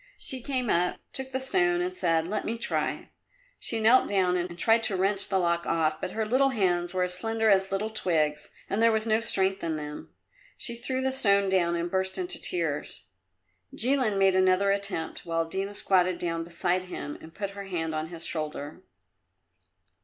She came up, took the stone and said, "Let me try." She knelt down and tried to wrench the lock off, but her little hands were as slender as little twigs and there was no strength in them. She threw the stone down and burst into tears. Jilin made another attempt, while Dina squatted down beside him and put her hand on his shoulder.